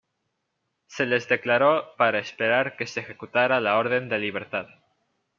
Se les declaró para esperar que se ejecutara la orden de libertad.